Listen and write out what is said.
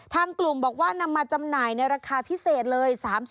ทางกลุ่มบอกว่านำมาจำหน่ายในราคาพิเศษเลย